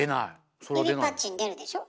指パッチン出るでしょ？